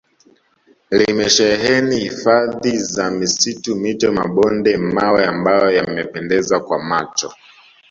limesheheni hifadhi za misitu mito mabonde mawe ambayo yanapendeza kwa macho